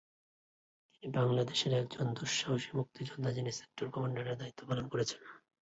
তিনি বাংলাদেশের মুক্তিযুদ্ধের একজন দুঃসাহসী মুক্তিযোদ্ধা যিনি সেক্টর কমান্ডারের দায়িত্ব পালন করেছেন।